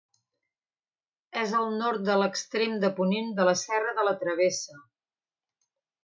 És al nord de l'extrem de ponent de la Serra de la Travessa.